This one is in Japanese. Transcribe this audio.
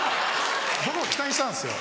僕も期待したんですよ